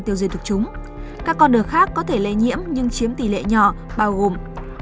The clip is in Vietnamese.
tiêu diệt được chúng các con đứa khác có thể lệ nhiễm nhưng chiếm tỷ lệ nhỏ bao gồm